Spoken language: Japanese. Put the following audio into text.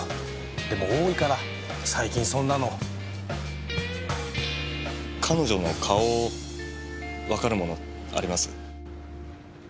でも多いから最近そんなの。彼女の顔わかるものあります？